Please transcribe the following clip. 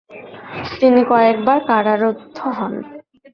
তিনি কয়েকবার কারারুদ্ধ হন।